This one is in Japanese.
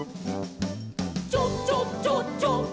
「チョチョチョチョ」